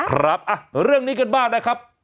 ครับเรื่องนี้กันบ้างนะครับ